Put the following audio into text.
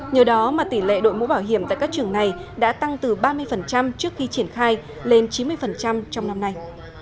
nhờ đó mà tỷ lệ đội mũ bảo hiểm tại các trường này đã tăng từ ba mươi trước khi triển khai lên chín mươi trong năm nay